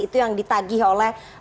itu yang ditagih oleh